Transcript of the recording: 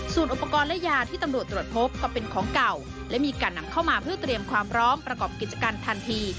ส่วนอุปกรณ์และยาที่ตำรวจตรวจพบก็เป็นของเก่าและมีการนำเข้ามาเพื่อเตรียมความพร้อมประกอบกิจการทันที